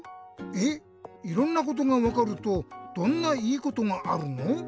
えっいろんなことがわかるとどんないいことがあるの？